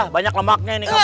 banyak lemaknya ini